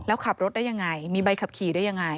แล้วขับรถได้ยังไงมีใบขับขี่ได้ยังไง